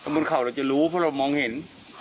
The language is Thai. บนเข่าเราจะรู้เพราะเรามองเห็น